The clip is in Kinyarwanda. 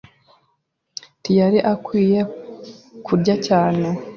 ntiyari akwiye kurya cyane.